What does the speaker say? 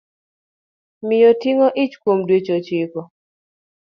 Miyo ting'o ich kuom dweche ochiko